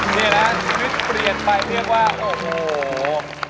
นี่นะชีวิตเปลี่ยนไปเรียกว่าโอ้โห